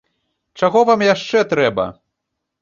Чаго вам яшчэ трэба?